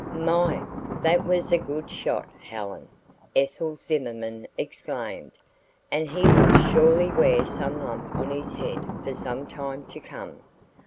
"My! that was a good shot, Helen," Ethel Zimmerman exclaimed. "And he will surely wear some lump on his head for some time to come."